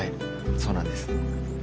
そうなんです。